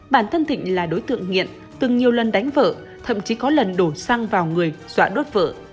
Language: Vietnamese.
bản thân thịnh là đối tượng nghiện từng nhiều lần đánh vợ thậm chí có lần đổ xăng vào người dọa đốt vợ